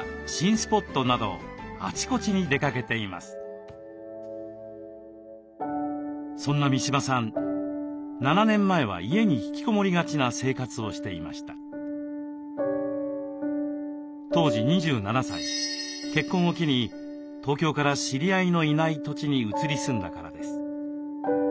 結婚を機に東京から知り合いのいない土地に移り住んだからです。